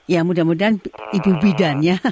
ya mudah mudahan ibu bidan ya